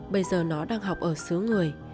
bây giờ nó đang học ở xứ người